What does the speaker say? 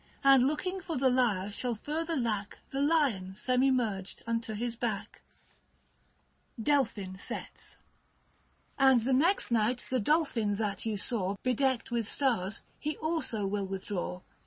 And looking for the Lyre shall further lack The Lion semi merged unto his back. 60 65 III. NON. FEB. DELPHIN SETS. And the next night the Dolphin that you saw, Bedecked with stars, he also will withdraw.